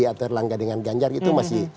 atau erlangga dengan ganjar itu masih